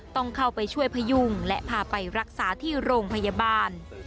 ต้องเข้าไปช่วยพยุงและพาไปรักษาที่โรงพยาบาล